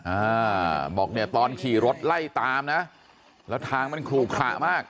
อ่าบอกเนี่ยตอนขี่รถไล่ตามนะแล้วทางมันขลุขระมาก